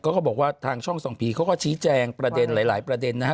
เขาบอกว่าทางช่องส่องผีเขาก็ชี้แจงประเด็นหลายประเด็นนะฮะ